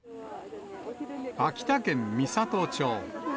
秋田県美郷町。